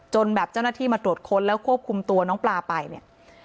แบบเจ้าหน้าที่มาตรวจค้นแล้วควบคุมตัวน้องปลาไปเนี่ย